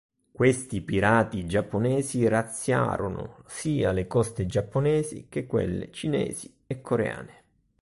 Questi pirati giapponesi razziarono sia le coste giapponesi che quelle cinesi e coreane.